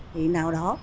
thế nào đó